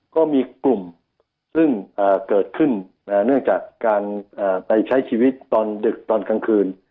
ก็มีกลุ่มซึ่งเกิดขึ้นเนื่องจากการไปใช้ชีวิตตอนดึกตอนกลางคืน